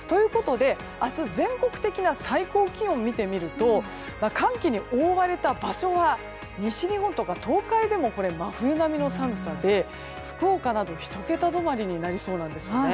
明日、全国的な最高気温を見てみると寒気に覆われた場所は西日本とか東海でも真冬並みの寒さで福岡などは、１桁止まりになりそうなんですね。